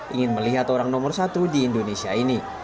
ingin melihat orang nomor satu di indonesia ini